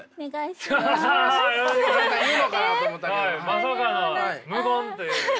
まさかの無言というね。